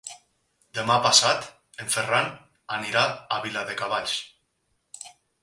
Demà passat en Ferran anirà a Viladecavalls.